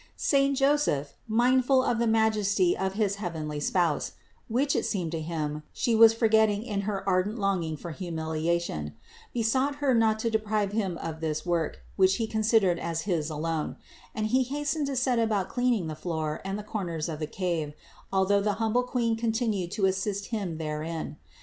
Saint Joseph, mindful of the majesty of his heavenly Spouse (which, it seemed to him, She was for getting in her ardent longing for humiliation), besought Her not to deprive Him of this work, which he con sidered as his alone ; and he hastened to set about cleaning the floor and the corners of the cave, although the hum ble Queen continued to assist him therein.